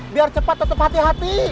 biar cepat tetap hati hati